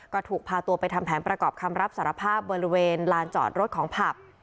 ก็ถูกพาตัวไปทำแผนประกอบคำรับสารภาพบริเวณลานจอดรถของผับ